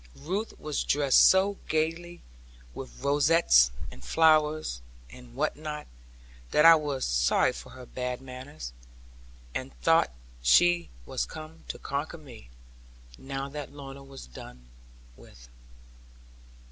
Ruth was dressed so gaily, with rosettes, and flowers, and what not, that I was sorry for her bad manners; and thought she was come to conquer me, now that Lorna was done with.